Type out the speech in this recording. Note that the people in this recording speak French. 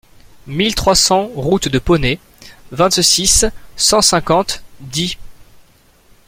mille trois cents route de Ponet, vingt-six, cent cinquante, Die